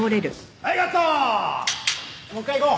もう一回いこう。